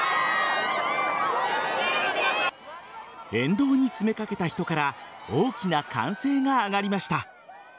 沿道に詰めかけた人から大きな歓声が上がりました。